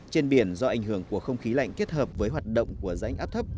trên biển do ảnh hưởng của không khí lạnh kết hợp với hoạt động của rãnh áp thấp